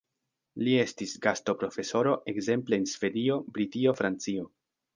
Li estis gastoprofesoro ekzemple en Svedio, Britio, Francio.